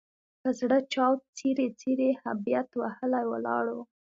په زړه چاود، څیري څیري هبیت وهلي ولاړ وو.